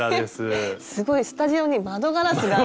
えっすごいスタジオに窓ガラスが。